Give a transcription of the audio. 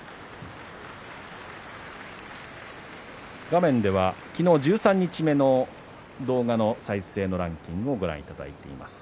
画面では昨日十三日目の動画再生ランキングをご覧いただいています。